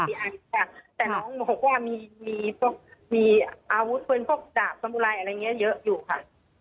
แต่น้องบอกว่ามีอาวุธเพื่อนพวกดาบสมุลัยอะไรเยอะอยู่ค่ะ